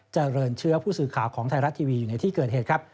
เจริญเชื้อผู้สื่อข่าวของไทยรัฐทีวีอยู่ในที่เกิดเหตุครับ